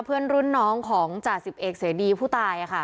เพื่อนรุ่นน้องของจ่าสิบเอกเสดีผู้ตาย